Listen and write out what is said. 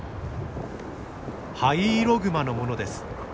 ハイイログマのものです。